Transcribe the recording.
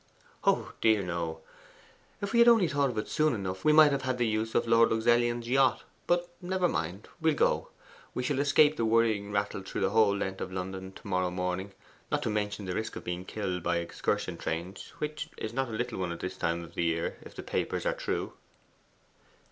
'Oh dear, no. If we had only thought of it soon enough, we might have had the use of Lord Luxellian's yacht. But never mind, we'll go. We shall escape the worrying rattle through the whole length of London to morrow morning not to mention the risk of being killed by excursion trains, which is not a little one at this time of the year, if the papers are true.